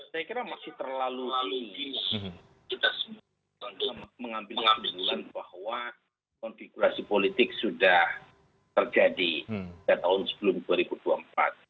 saya kira masih terlalu tinggi kita semua mengambil kesimpulan bahwa konfigurasi politik sudah terjadi pada tahun sebelum dua ribu dua puluh empat